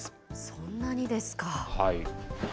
そんなにですか。